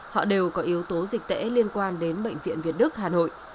họ đều có yếu tố dịch tễ liên quan đến bệnh viện việt đức hà nội